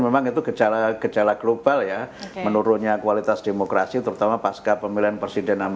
memang itu gejala gejala global ya menurunnya kualitas demokrasi terutama pasca pemilihan presiden